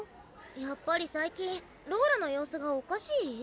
やっぱり最近ローラの様子がおかしい？